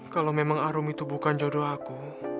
kalau memang arum itu bukan jodoh aku